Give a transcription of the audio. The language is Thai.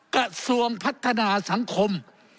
กระทรวงพัฒนาสังคม